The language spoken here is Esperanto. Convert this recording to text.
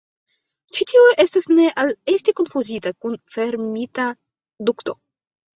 Ĉi tiu estas ne al esti konfuzita kun fermita dukto.